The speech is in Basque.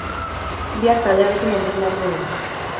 Biak taldearekin entrenatu dira.